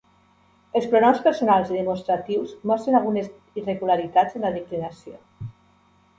Els pronoms personals i demostratius mostren algunes irregularitats en la declinació.